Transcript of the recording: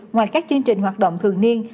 ngoài các chương trình hoạt động thường niên